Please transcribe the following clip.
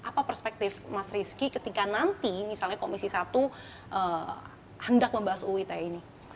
dan apa perspektif mas rizky ketika nanti misalnya komisi satu hendak membahas uit ini